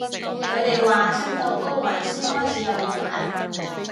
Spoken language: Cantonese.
佢哋話升到高位先開始有嘢玩